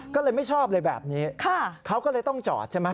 ก็เลยไม่ชอบเลยแบบนี้เขาก็เลยต้องจอดใช่ไหม